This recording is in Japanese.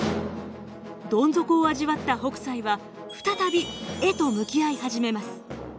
どん底を味わった北斎は再び絵と向き合い始めます。